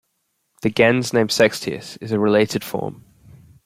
The "gens" name Sextius is a related form.